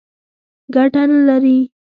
ګټه نه لري.